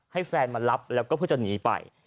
ให้แฟนมารับแล้วก็เพื่อจะหนีไป